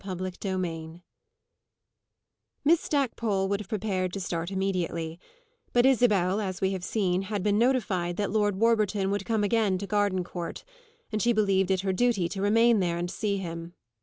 CHAPTER XIV Miss Stackpole would have prepared to start immediately; but Isabel, as we have seen, had been notified that Lord Warburton would come again to Gardencourt, and she believed it her duty to remain there and see him.